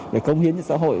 để công hiến cho xã hội